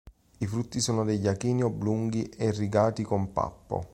I frutti sono degli acheni oblunghi e rigati con pappo.